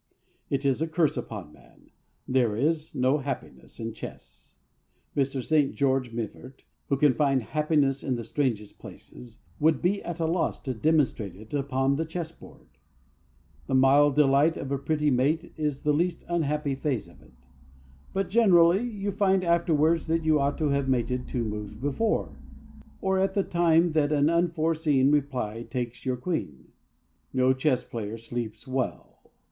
It is a curse upon a man. There is no happiness in chess Mr. St. George Mivart, who can find happiness in the strangest places, would be at a loss to demonstrate it upon the chess board. The mild delight of a pretty mate is the least unhappy phase of it. But, generally, you find afterwards that you ought to have mated two moves before, or at the time that an unforeseen reply takes your Queen. No chess player sleeps well.